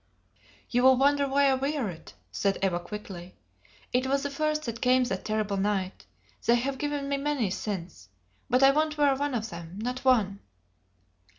"You will wonder why I wear it," said Eva, quickly. "It was the first that came that terrible night. They have given me many since. But I won't wear one of them not one!"